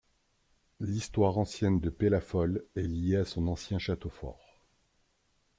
L'histoire ancienne de Pellafol est liée à son ancien château fort.